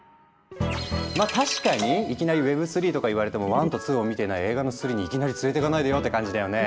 確かにいきなりＷｅｂ３とか言われても１と２を見ていない映画の３にいきなり連れていかないでよって感じだよね。